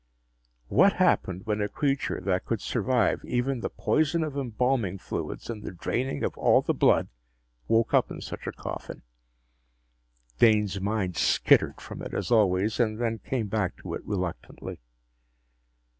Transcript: What happened when a creature that could survive even the poison of embalming fluids and the draining of all the blood woke up in such a coffin? Dane's mind skittered from it, as always, and then came back to it reluctantly.